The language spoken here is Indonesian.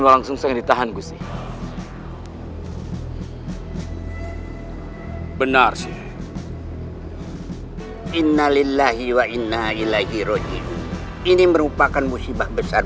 warangsungseng ditahan gusi benar sih innalillahi wa inna ilahi roji ini merupakan musibah besar